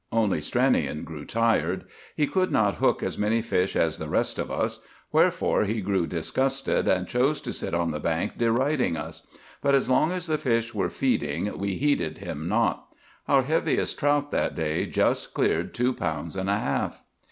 Only Stranion grew tired. He could not hook as many fish as the rest of us; wherefore he grew disgusted, and chose to sit on the bank deriding us. But as long as the fish were feeding we heeded him not. Our heaviest trout that day just cleared two pounds and a half.